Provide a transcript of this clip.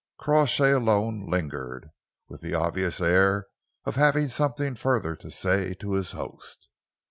Crawshay alone lingered, with the obvious air of having something further to say to his host.